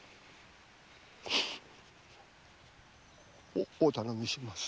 お頼みします